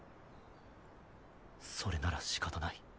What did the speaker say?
それならしかたない。